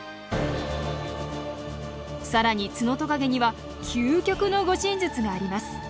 更にツノトカゲには究極の護身術があります。